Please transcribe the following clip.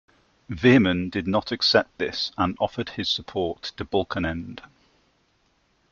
Veerman did not accept this and offered his support to Balkenende.